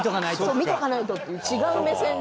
そう見とかないとっていう違う目線で。